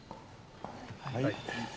はい。